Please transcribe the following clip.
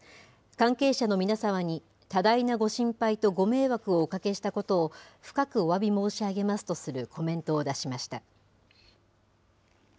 関係者の皆様に、多大なご心配とご迷惑をおかけしたことを深くおわび申し上げますとするコメントを出しました。